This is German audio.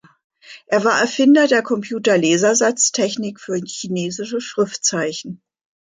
Er war Erfinder der Computer-Lasersatztechnik für chinesische Schriftzeichen.